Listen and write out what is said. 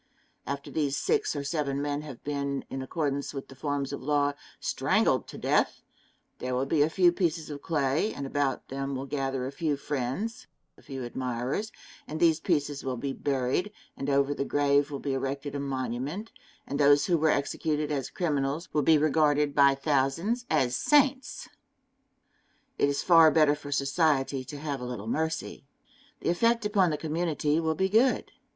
After these six or seven men have been, in accordance with the forms of law, strangled to death, there will be a few pieces of clay, and about them will gather a few friends, a few admirers and these pieces will be buried, and over the grave will be erected a monument, and those who were executed as criminals will be regarded by thousands as saints. It is far better for society to have a little mercy. The effect upon the community will be good.